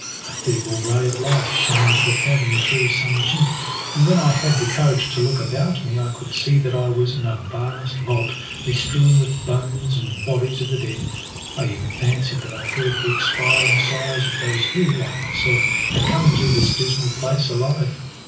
A feeble ray of light shone into the cavern through some chink, and when I had the courage to look about me I could see that I was in a vast vault, bestrewn with bones and bodies of the dead. I even fancied that I heard the expiring sighs of those who, like myself, had come into this dismal place alive.